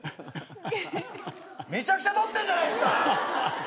めちゃくちゃ取ってんじゃないっすか！